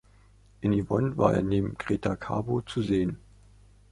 In "Yvonne" war er neben Greta Garbo zu sehen.